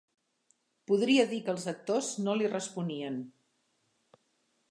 Podria dir que els actors no li responien.